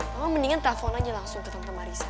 mama mendingan telepon aja langsung ke tante marissa